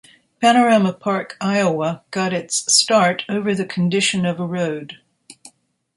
Panorama Park, Iowa, got its start over the condition of a road.